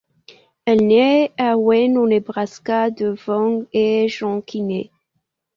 Elle naît à Wayne au Nebraska, de Vaughn et Jean Kinney.